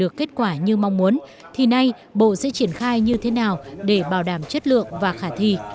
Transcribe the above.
được kết quả như mong muốn thì nay bộ sẽ triển khai như thế nào để bảo đảm chất lượng và khả thi